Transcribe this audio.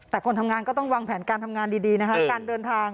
แต่คนทำงานก็ต้องวางแผนการทำงานดีนะคะการเดินทาง